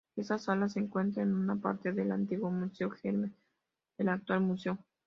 Esta sala se encuentra en una parte del antiguo museo, germen del actual museo.